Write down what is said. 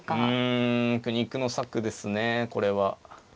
うん苦肉の策ですねこれは。